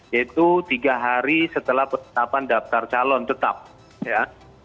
yaitu tiga hari setelah penetapan daftar calon tetap ya